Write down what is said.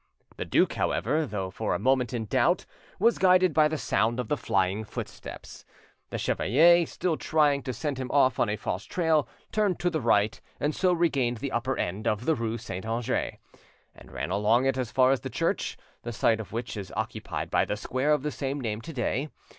The duke, however, though for a moment in doubt, was guided by the sound of the flying footsteps. The chevalier, still trying to send him off on a false trail, turned to the right, and so regained the upper end of the rue Saint Andre, and ran along it as far as the church, the site of which is occupied by the square of the same name to day.